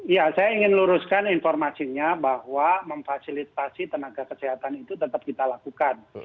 ya saya ingin luruskan informasinya bahwa memfasilitasi tenaga kesehatan itu tetap kita lakukan